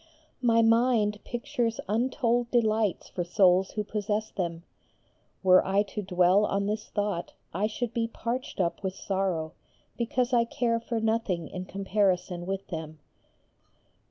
My mind pictures untold delights for souls who possess them: were I to dwell on this thought I should be parched up with sorrow, because I care for nothing in comparison with them.